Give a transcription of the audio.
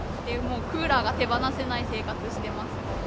クーラーが手放せない生活してますね。